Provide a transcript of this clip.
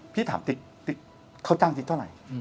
พี่ถามติ๊กเขาจ้างจิตเท่าไหร่